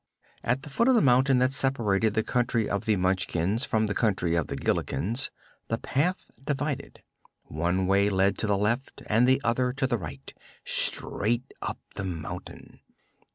At the foot of the mountain that separated the Country of the Munchkins from the Country of the Gillikins, the path divided. One way led to the left and the other to the right straight up the mountain.